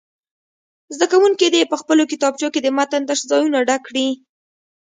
زده کوونکي دې په خپلو کتابچو کې د متن تش ځایونه ډک کړي.